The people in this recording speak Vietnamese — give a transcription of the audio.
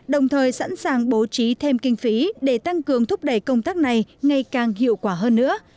đồng thời sẵn sàng bố trí thêm kinh phí để tăng cường thúc đẩy công tác này ngày càng hiệu quả hơn nữa